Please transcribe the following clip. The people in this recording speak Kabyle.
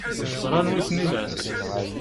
Ẓran wi ten-ilan.